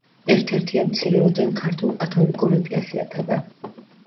ერთ-ერთია მცირეოდენ ქართულ კათოლიკურ ეკლესიათაგან.